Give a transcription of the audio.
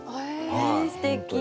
すてき。